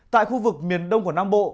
tại khu vực miền đông của nam bộ